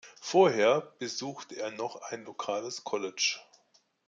Vorher besuchte er noch ein lokales College.